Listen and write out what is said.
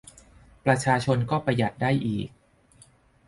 ประชาชนก็ประหยัดได้อีก